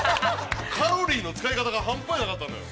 カロリーの使い方が半端じゃなかったのよ。